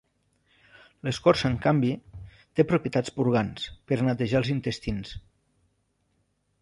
L'escorça, en canvi, té propietats purgants, per a netejar els intestins.